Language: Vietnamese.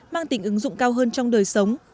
mang tình ứng dụng cao hơn trong đời sống